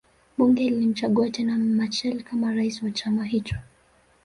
Bunge lilimchagua tena Machel kama Rais wa chama hicho